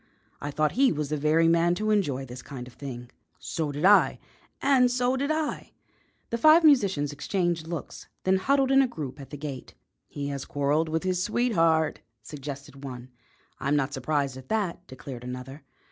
I thought he was the very man to enjoy this kind of thing." "So did I." "And so did I." The five musicians exchanged looks, then huddled in a group at the gate. "He has quarrelled with his sweetheart," suggested one. "I'm not surprised at that," declared another.